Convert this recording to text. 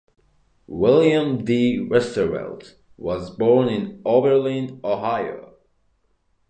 William D. Westervelt was born in Oberlin, Ohio.